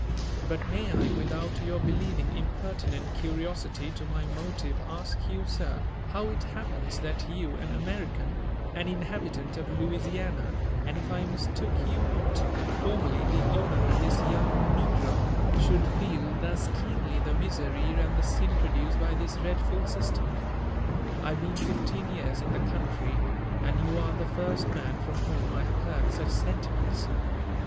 But may I, without your believing impertinent curiosity to be my motive, ask you, sir, how it happens that you, an American, an inhabitant of Louisiana, and, if I mistook yoil not, for merly the owner of this young negro, should feel thus keenly thd misery and the sin produced by this dreadful system ? I have been fifteen years in the country, and you are the first man from whom I have heard such sentiments."